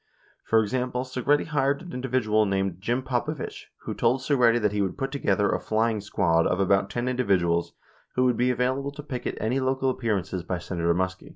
For example, Segretti hired an individual named Jim Popovich, who told Segretti that he would put together a "flying squad" of about ten individuals who would be available to picket any local appearances by Senator Muskie.